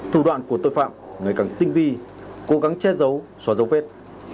thủ đoạn của tội phạm ngày càng tinh vi cố gắng che giấu xóa dấu vết